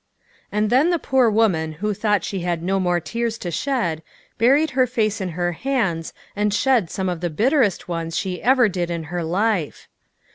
A ND then the poor woman who thought she had no more tears to shed, buried her face in her hands and shed some of the bit terest ones she ever did in her life.